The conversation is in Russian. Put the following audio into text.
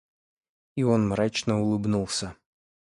И он мрачно улыбнулся.